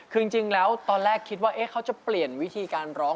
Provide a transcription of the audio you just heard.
คือจริงแล้วตอนแรกคิดว่าเขาจะเปลี่ยนวิธีการร้อง